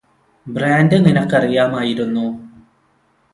brand നിനക്കറിയാമായിരുന്നോ